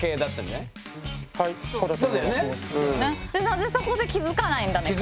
何でそこで気付かないんだね